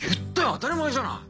当たり前じゃない。